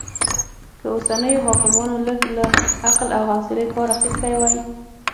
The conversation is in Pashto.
که اوسنيو حاکمانو لږ له عقل او حوصلې کار اخيستی وای